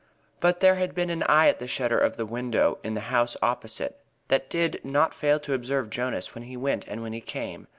But there had been an eye at the shutter of the window in the house opposite that did not fail to observe Jonas when he went and when he came.